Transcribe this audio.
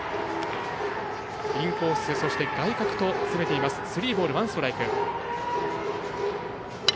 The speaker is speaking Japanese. インコース、外角と攻めています。